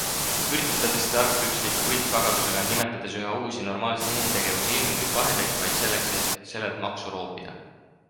Vürtsidades seda argpükslikku võltsvagadusega, nimetades ühe uusi normaalseid inimtegevuse ilminguid pahedeks vaid selleks, et sellelt maksu roopida?.